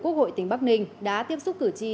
quốc hội tỉnh bắc ninh đã tiếp xúc cử tri